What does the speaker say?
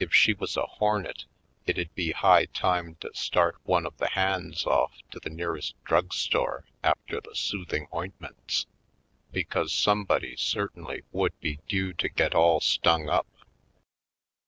If she was a hornet it'd be high time to start one of the hands oiff to the nearest drugstore after the soothing ointments, be cause somebody certainly would be due to get all stung up.